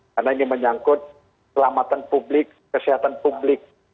karena ini menyangkut kelamatan publik kesehatan publik